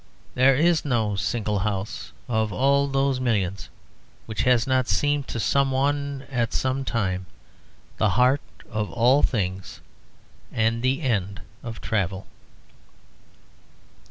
There is no single house of all those millions which has not seemed to someone at some time the heart of all things and the end of travel.